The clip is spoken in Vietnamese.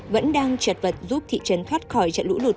vẫn đang trật vật giúp thị trấn thoát khỏi